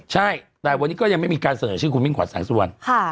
ใช่แต่วันนี้ก็ยังไม่มีการเสนอชื่อคุณมิ่งขวัญแสงสุวรรณ